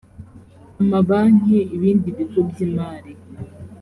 amabanki ibindi bigo by imari